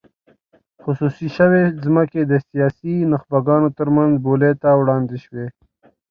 خصوصي شوې ځمکې د سیاسي نخبګانو ترمنځ بولۍ ته وړاندې شوې.